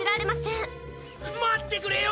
待ってくれよ！